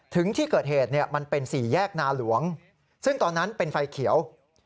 ถึงที่เกิดเหตุมันเป็นสี่แยกนาหลวงซึ่งตอนนั้นเป็นไฟเขียว